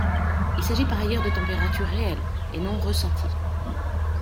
Il s'agit par ailleurs de températures réelles et non ressenties.